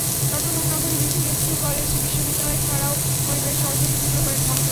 চট্টগ্রাম নগরের বিভিন্ন school, college, বিশ্ববিদ্যালয় ছাড়াও পরিবারে সরস্বতী পূজা করেন ভক্তরা।